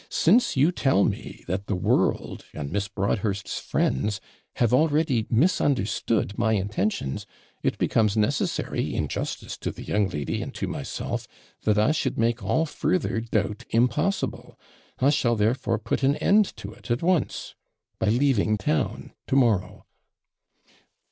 Since you tell me that the world and Miss Broadhurst's friends have already misunderstood my intentions, it becomes necessary, in justice to the young lady and to myself, that I should make all further doubt impossible. I shall, therefore, put an end to it at once, by leaving town to morrow.'